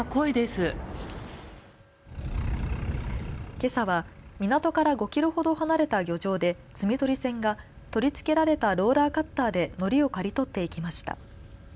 けさは港から５キロほど離れた漁場で摘み取り船が取り付けられたローラーカッターでのりを刈り取っていきました。